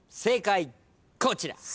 正解こちら。